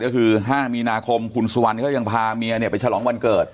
ก็คือ๕มีนาคมคุณสุวรรณก็ยังพาเมียไปฉลองวันเกิด